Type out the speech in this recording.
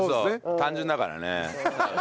「単純だから」。